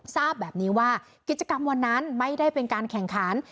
ทราบแบบนี้ว่ากิจกรรมวันนั้นไม่ได้เป็นการแข่งขัน